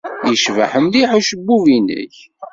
Yecbeḥ mliḥ ucebbub-nnek.